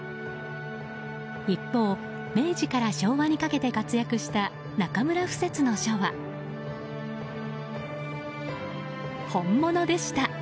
一方、明治から昭和にかけて活躍した中村不折の書は本物でした。